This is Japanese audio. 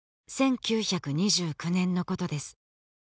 １９２９年のことです